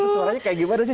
suaranya kayak gimana sih